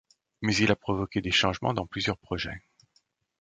Mais il a provoqué des changements dans plusieurs projets.